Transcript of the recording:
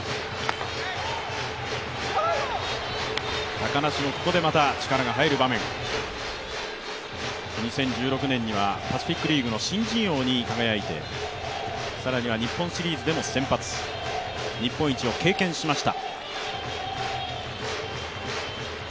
高梨は２０１６年にはパ・リーグの新人王に輝いて更には日本シリーズでも先発、日本一を経験しました。